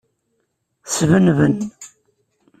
Sbenben.